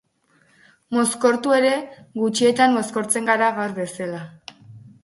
Mozkortu ere gutxitan mozkortzen gara gaur bezala.